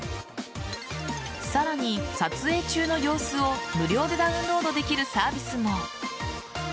さらに、撮影中の様子を無料でダウンロードできるサービスも。